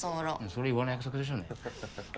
それ言わない約束でしょねえ。